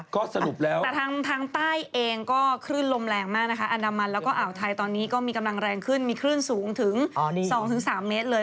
ก็สรุปแล้วแต่ทางใต้เองก็คลื่นลมแรงมากนะคะอันดามันแล้วก็อ่าวไทยตอนนี้ก็มีกำลังแรงขึ้นมีคลื่นสูงถึง๒๓เมตรเลย